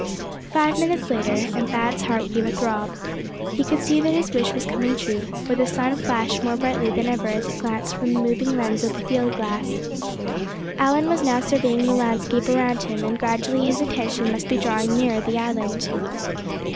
Five minutes later, and Thad's heart gave a throb. He could see that his wish was coming true, for the sun flashed more brightly than ever as it glanced from the moving lens of the field glass. Allan was now surveying the landscape around him, and gradually his attention must be drawing nearer the island.